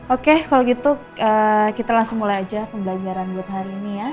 oke kalau gitu kita langsung mulai aja pembelajaran buat hari ini ya